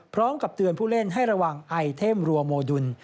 พร้อมกับเตือนผู้เล่นให้ระวังไอเทมรัวโมดุล